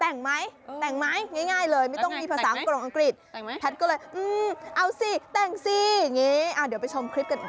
ดอกไม้อุ้สามาเชี่ยท์เอาดอกไม้มาให้